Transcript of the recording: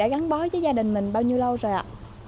gắn bó với gia đình mình bao nhiêu lâu rồi ạ